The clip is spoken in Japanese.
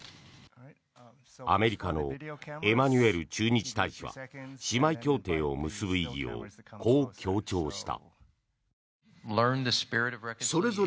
アメリカのエマニュエル駐日大使は姉妹協定を結ぶ意義をこう強調した。